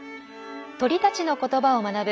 鳥たちの言葉を学ぶ